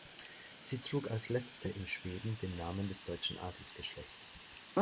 Sie trug als letzte in Schweden den Namen des deutschen Adelsgeschlechts.